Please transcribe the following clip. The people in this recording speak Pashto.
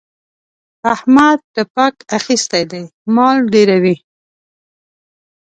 احمد تپاک اخيستی دی؛ مال ډېروي.